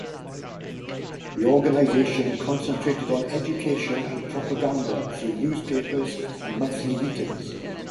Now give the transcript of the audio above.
The organisation concentrated on education and propaganda through newspapers and monthly meetings.